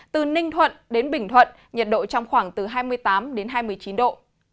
từ ninh thuận đến bình thuận nhiệt độ trong khoảng từ hai mươi tám đến hai mươi chín độ